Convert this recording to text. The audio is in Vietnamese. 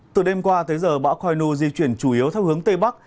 từ đêm qua tới giờ bão khoai nu di chuyển chủ yếu theo hướng tây bắc